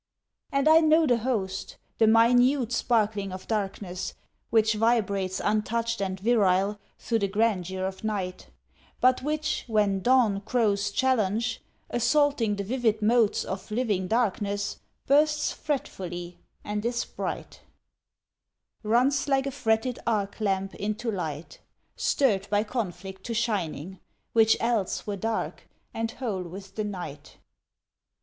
And I know the host, the minute sparkling of darkness Which vibrates untouched and virile through the grandeur of night, But which, when dawn crows challenge, assaulting the vivid motes Of living darkness, bursts fretfully, and is bright: Runs like a fretted arc lamp into light, Stirred by conflict to shining, which else Were dark and whole with the night.